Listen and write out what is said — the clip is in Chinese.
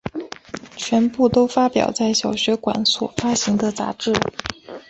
全部都发表在小学馆所发行的杂志。